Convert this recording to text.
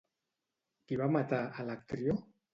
Qui va matar a Electrió?